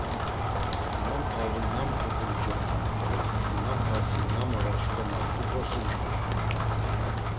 Nam pavri nam pupuli coktinamt̆u, nam tasi nam ora şǩomart̆u vrosi uşǩurt̆u.